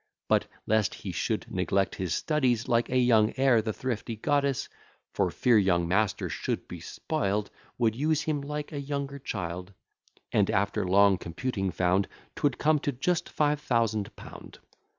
But, lest he should neglect his studies Like a young heir, the thrifty goddess (For fear young master should be spoil'd) Would use him like a younger child; And, after long computing, found 'Twould come to just five thousand pound.